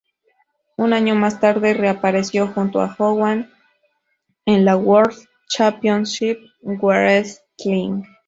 Un año más tarde reapareció junto a Hogan en la World Championship Wrestling.